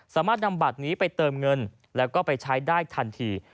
สามารถนำบัตรนี้ไปเติมเงินแล้วก็ไปใช้ได้ทันที